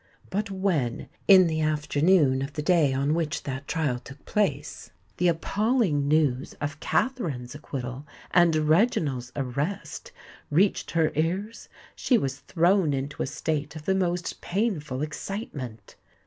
But when, in the afternoon of the day on which that trial took place, the appalling news of Katherine's acquittal and Reginald's arrest reached her ears, she was thrown into a state of the most painful excitement.